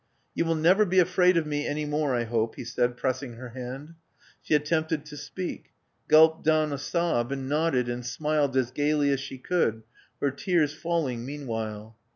'*You will never be afraid of me any more, I hope," he said, pressing her hand. She attempted to speak; gulped down a sob ; and nodded and smiled as gaily as she could, her tears falling meanwhile.